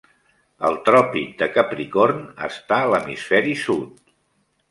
El tròpic de Capricorn està a l'hemisferi sud.